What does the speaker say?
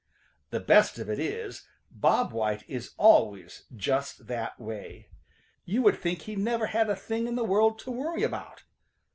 The best of it is Bob White is always just that way. You would think he never had a thing in the world to worry about.